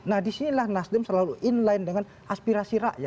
nah di sinilah nasdem selalu in line dengan aspirasi rakyat